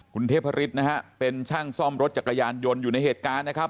คุณเทพฤษนะฮะเป็นช่างซ่อมรถจักรยานยนต์อยู่ในเหตุการณ์นะครับ